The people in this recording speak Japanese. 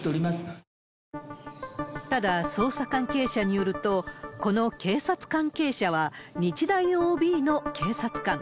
ただ、捜査関係者によると、この警察関係者は、日大ＯＢの警察官。